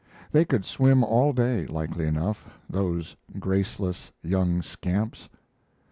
They could swim all day, likely enough, those graceless young scamps.